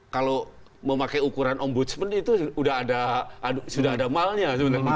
kalau memakai ukuran ombudsman itu sudah ada malnya